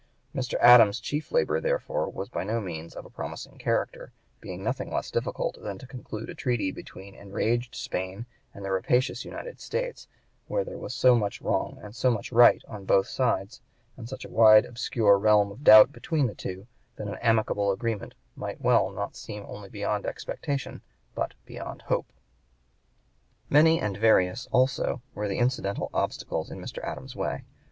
Mr. Adams's chief labor, therefore, was by no means of a promising character, being nothing less difficult than to conclude a treaty between enraged Spain and the rapacious United States, where there was so much wrong and so much right on both sides, and such a wide obscure realm of doubt between the two that an amicable agreement might well seem not only beyond expectation but beyond hope. Many and various also were the incidental obstacles in Mr. Adams's way.